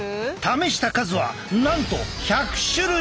試した数はなんと１００種類！